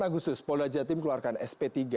delapan agustus polra jatim keluarkan sp tiga